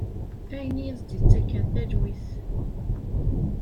Ayen i as-d-ittaken talwit.